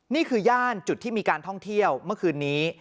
ย่านจุดที่มีการท่องเที่ยวเมื่อคืนนี้